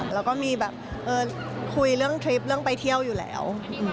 แล้วก็มีแบบคุยเรื่องทริปเรื่องไปเที่ยวอยู่แล้ว